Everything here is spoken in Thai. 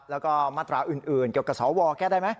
แล้วก็มาตราอื่นเกี่ยวกับสวแก้ได้ไหม